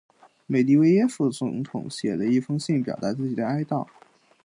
美的维耶夫总统写了一封信表达自己的哀悼。